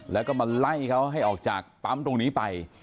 แล้วก็มาไล่เขาให้ออกจากปั๊มตรงนี้ไป